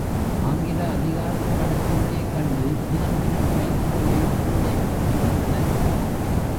ஆங்கில அதிகாரிகள் அடக்குமுறையைக் கண்டு தினம் தினம் பயந்து கொண்டே பொழுதைப் போக்கி வந்தனர்.